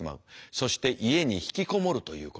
そして家に引きこもるということになる。